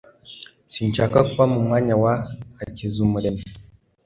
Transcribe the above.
Sinshaka kuba mu mwanya wa Hakizamuremyi